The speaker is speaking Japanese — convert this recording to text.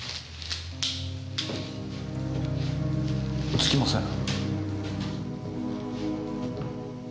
点きません。